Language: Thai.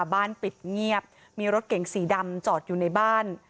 บ้านปิดเงียบมีรถเก่งสีดำจอดอยู่ในบ้าน